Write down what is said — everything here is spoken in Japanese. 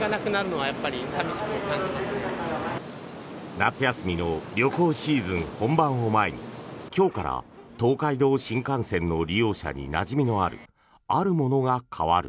夏休みの旅行シーズン本番を前に今日から東海道新幹線の利用者になじみのあるあるものが変わる。